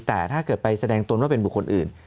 แต่ถ้าเกิดไปแสดงตนว่าเป็นบุคคลอื่น